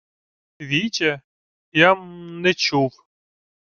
— Віче? Я-м не чув...